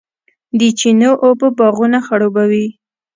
د چینو اوبه باغونه خړوبوي.